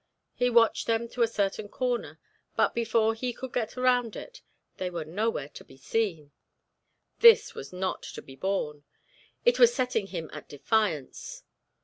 He watched them to a certain corner, but, before he could get around it, they were nowhere to be seen. This was not to be borne. It was setting him at defiance.